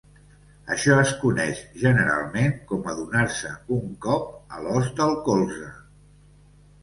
Això es coneix generalment com a donar-se un cop a "l'os del colze".